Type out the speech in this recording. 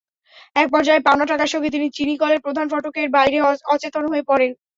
একপর্যায়ে পাওনা টাকার শোকে তিনি চিনিকলের প্রধান ফটকের বাইরে অচেতন হয়ে পড়েন।